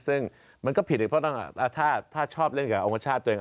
ซึ่งมันก็ผิดเพราะถ้าชอบเล่นกับองชาติตัวเอง